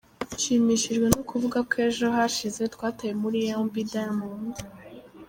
Nshimishijwe no kuvuga ko ejo hashize twataye muri yombi Diamond”.